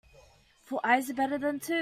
Four eyes are better than two.